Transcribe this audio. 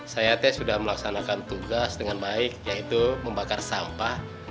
saya sudah melaksanakan tugas dengan baik yaitu membakar sampah